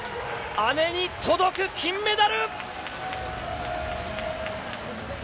姉に届く金メダル！